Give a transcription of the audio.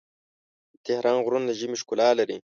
د تهران غرونه د ژمي ښکلا لري.